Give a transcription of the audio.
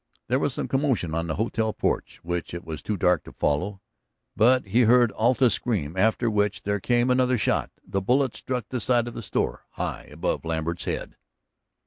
There was some commotion on the hotel porch, which it was too dark to follow, but he heard Alta scream, after which there came another shot. The bullet struck the side of the store, high above Lambert's head.